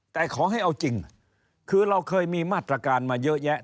แต่ขอให้เอาจริงคือเราเคยมีมาตรการมาเยอะแยะ